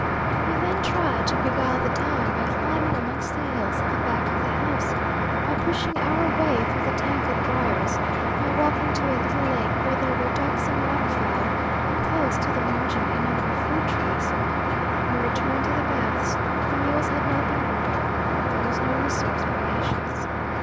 We then tried to beguile the time by climbing amongst the hills at the back of the house by pushing our way through the tangled briers by walking to a little lake, where there were ducks and waterfowl, and close to the margin a number of fruit trees. We returned to the baths the mules had not been heard of there was no resource but patience.